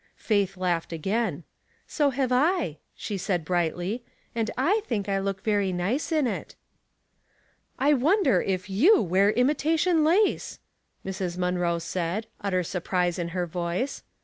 Faith i'Jdghed again. "So have 1," she said, brightly; "and /think I look very nice in it." " 1 wonder if i/ou wear imitation lace !" Mrs. Munroe said, utter surprise in her voice.